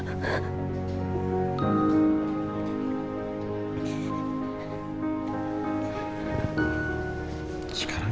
kita harus berdoa aja dulu